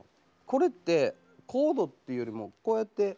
これってコードっていうよりもこうやって。